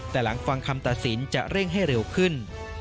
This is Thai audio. แต่หลังฟังคำตัดสินจะเร่งให้เร็วขึ้น